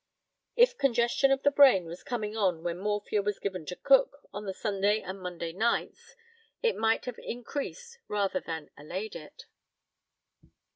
If congestion of the brain was coming on when morphia was given to Cook on the Sunday and Monday nights, it might have increased rather than allayed it.